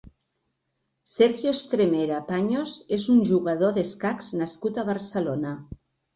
Sergio Estremera Paños és un jugador d'escacs nascut a Barcelona.